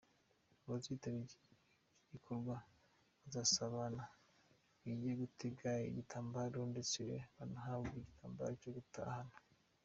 Abazitabira iki gikorwa bazasabana, bige gutega igitambaro ndetse banahabwe igitambaro cyo gutahana.